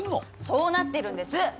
そうなってるんです！